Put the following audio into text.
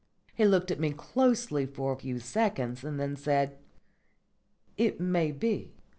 He looked at me closely for a few seconds, and then said: "It may be.